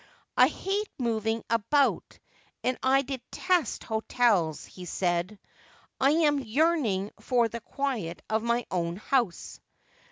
' I hate moving about, and I detest hotels,' he said ;' I am yearning for the quiet of my own house.'